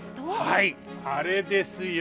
はいあれですよ。